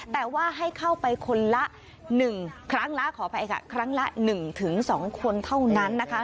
แต่ว่าให้เข้าไปคนละ๑ครั้งละ๑ถึง๒คนเท่านั้นนะคะ